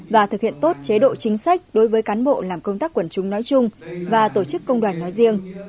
và thực hiện tốt chế độ chính sách đối với cán bộ làm công tác quần chúng nói chung và tổ chức công đoàn nói riêng